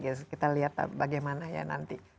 ya kita lihat bagaimana ya nanti